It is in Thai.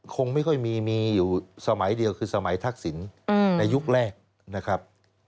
คงไม่ค่อยมีอยู่สมัยเดียวคือสมัยทักศิลป์